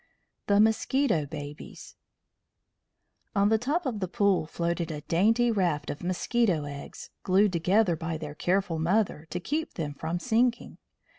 THE MOSQUITO BABIES On the top of the pool floated a dainty raft of mosquito eggs, glued together by their careful mother to keep them from sinking.